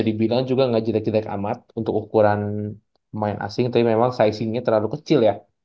dibilang juga enggak jedek jedek amat untuk ukuran main asing tapi memang sizingnya terlalu kecil ya